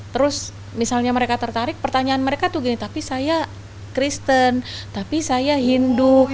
terus misalnya mereka tertarik pertanyaan mereka tuh gini tapi saya kristen tapi saya hindu